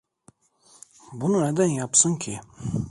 Bunu neden yapsın ki?